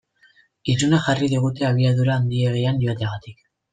Izuna jarri digute abiadura handiegian joateagatik.